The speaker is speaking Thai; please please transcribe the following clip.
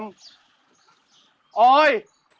ออกไปเลย